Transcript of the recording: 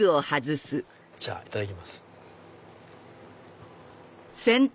じゃあいただきます。